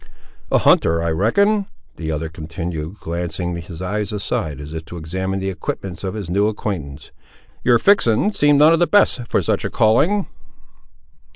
"A hunter, I reckon?" the other continued, glancing his eyes aside, as if to examine the equipments of his new acquaintance; "your fixen seem none of the best, for such a calling."